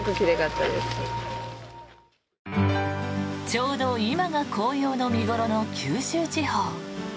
ちょうど今が紅葉の見頃の九州地方。